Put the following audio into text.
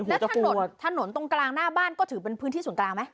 แล้วถนนถนนตรงกลางหน้าบ้านก็ถือเป็นพื้นที่ส่วนกลางไหม